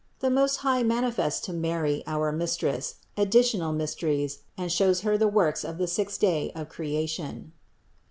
THE MOST HIGH MANIFESTS TO MARY, OUR MISTRESS, ADDITIONAL MYSTERIES AND SHOWS HER THE WORKS OF THE SIXTH DAY OF CREATION.